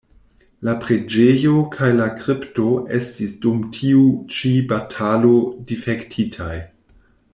La preĝejo kaj la kripto estis dum tiu ĉi batalo difektitaj.